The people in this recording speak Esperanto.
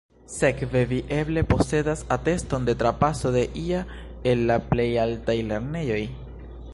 Sekve vi eble posedas ateston de trapaso de ia el la plej altaj lernejoj?